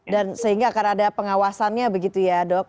dan sehingga akan ada pengawasannya begitu ya dok